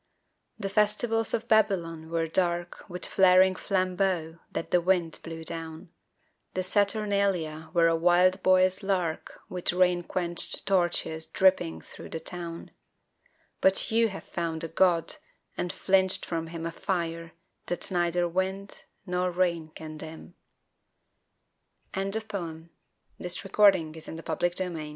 The festivals of Babylon were dark With flaring flambeaux that the wind blew down; The Saturnalia were a wild boy's lark With rain quenched torches dripping thru the town But you have found a god and filched from him A fire that neither wind nor rain can dim. SEA LONGING A THOUSAND miles beyond this sun steeped wall Some